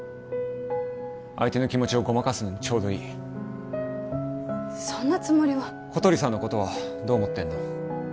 相手の気持ちをごまかすのにちょうどいいそんなつもりは小鳥さんのことはどう思ってんの？